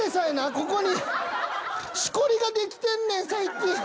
ここにしこりができてんねん最近。